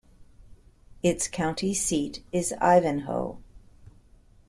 Its county seat is Ivanhoe.